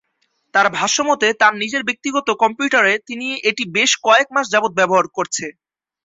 তার ভাষ্যমতে তার নিজের ব্যক্তিগত কম্পিউটারে তিনি এটি বেশ কয়েক মাস যাবৎ ব্যবহার করছে।